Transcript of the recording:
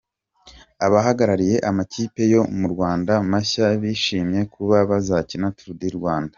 Abahagarariye amakipe yo mu Rwanda mashya bishimiye kuba bazakina Tour du Rwanda.